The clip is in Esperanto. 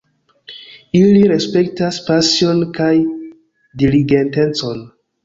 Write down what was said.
Ili respektas pasion kaj diligentecon